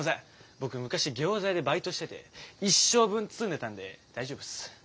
僕昔ギョーザ屋でバイトしてて一生分包んでたんで大丈夫っす。